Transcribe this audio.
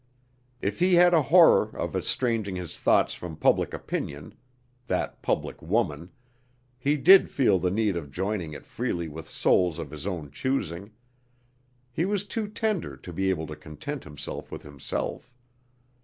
If he had a horror of estranging his thought from public opinion (that public woman) he did feel the need of joining it freely with souls of his own choosing. He was too tender to be able to content himself with himself.